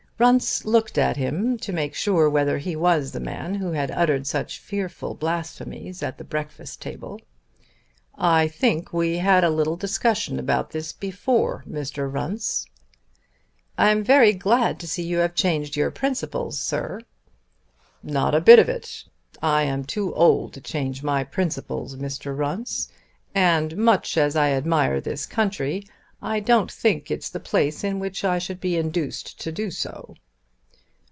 Runce looked at him to make sure whether he was the man who had uttered such fearful blasphemies at the breakfast table. "I think we had a little discussion about this before, Mr. Runce." "I am very glad to see you have changed your principles, Sir." "Not a bit of it. I am too old to change my principles, Mr. Runce. And much as I admire this country I don't think it's the place in which I should be induced to do so."